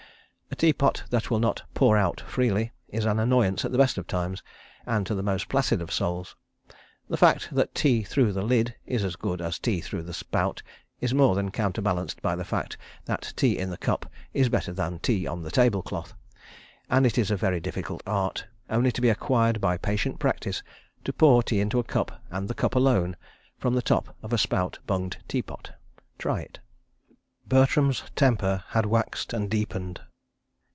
A teapot that will not "pour out" freely is an annoyance at the best of times, and to the most placid of souls. (The fact that tea through the lid is as good as tea through the spout is more than counter balanced by the fact that tea in the cup is better than tea on the table cloth. And it is a very difficult art, only to be acquired by patient practice, to pour tea into the cup and the cup alone, from the top of a spout bunged teapot. Try it.) Bertram's had temper waxed and deepened.